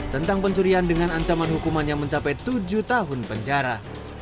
tentang pencurian dengan ancaman hukumannya mencapai tujuh tahun penjara